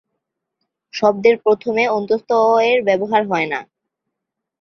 শব্দের প্রথমে য় এর ব্যবহার হয়না।